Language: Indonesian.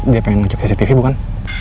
dia pengen masuk cctv bukan